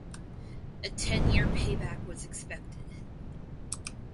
A ten year payback was expected.